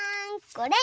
これ！